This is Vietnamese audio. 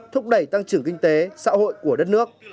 thúc đẩy tăng trưởng kinh tế xã hội của đất nước